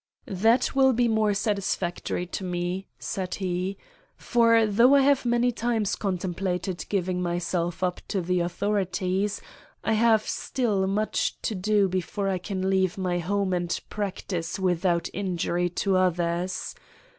"That will be still more satisfactory to me," said he; "for though I have many times contemplated giving myself up to the authorities, I have still much to do before I can leave my home and practice without injury to others.